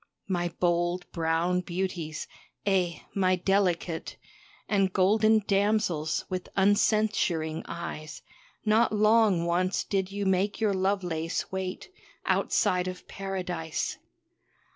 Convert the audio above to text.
My bold, brown beauties, eh, my delicate And golden damsels with uncensuring eyes, Not long once did you make your Lovelace wait Outside of Paradise.